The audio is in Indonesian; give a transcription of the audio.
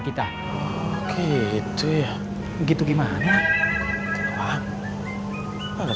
begitu ya gitu gimana